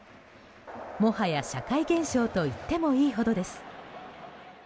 もはや社会現象といってもいいほどです。